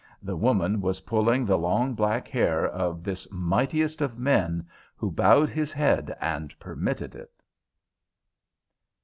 The woman was pulling the long black hair of this mightiest of men, who bowed his head and permitted it.